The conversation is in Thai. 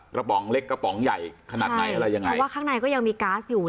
ป๋องเล็กกระป๋องใหญ่ขนาดไหนอะไรยังไงเพราะว่าข้างในก็ยังมีก๊าซอยู่